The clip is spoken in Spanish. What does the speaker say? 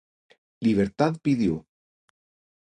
Libertad pidió: